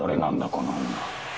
この女。